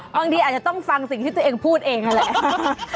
บางทีอาจจะต้องฟังสิ่งที่ตัวเองพูดเองนั่นแหละ